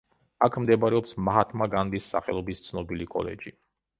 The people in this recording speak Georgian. აქ მდებარეობს მაჰათმა განდის სახელობის ცნობილი კოლეჯი.